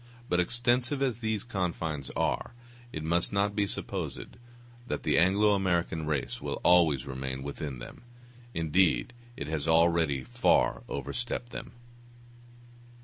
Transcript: But extensive as these confines are, it must not be supposed that the Anglo American race will always remain within them; indeed, it has already far overstepped them.